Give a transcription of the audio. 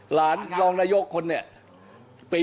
หลานรองนายกคนนี้